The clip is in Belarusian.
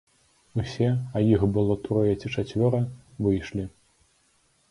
Усе, а іх было трое ці чацвёра, выйшлі.